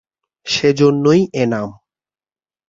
সে জন্যই এ নাম।